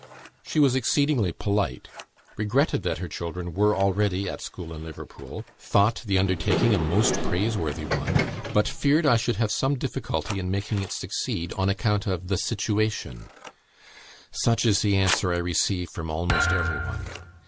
She was exceedingly polite; regretted that her children were already at school at Liverpool; thought the undertaking a most praiseworthy one, but feared I should have some difficulty in making it succeed on account of the situation. Such is the answer I receive from almost every one.